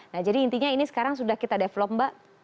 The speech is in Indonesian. nah jadi intinya ini sekarang sudah kita develop mbak